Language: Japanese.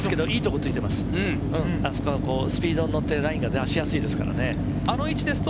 あそこはスピードに乗ってラインが出しやすいですからね。